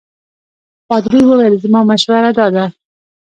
پادري وویل زما مشوره دا ده.